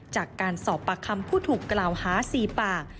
จากการสอบปากคำผู้ถูกกล่าวหา๔ปาก